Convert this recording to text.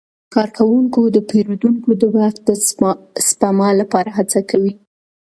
کارکوونکي د پیرودونکو د وخت د سپما لپاره هڅه کوي.